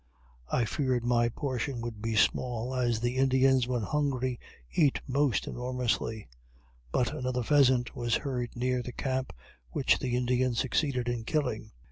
I feared my portion would be small, as the Indians, when hungry, eat most enormously; but another pheasant was heard near the camp, which the Indian succeeded in killing.